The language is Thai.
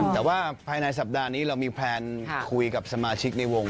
แต่ว่าภายในสัปดาห์นี้เรามีแพลนคุยกับสมาชิกในวง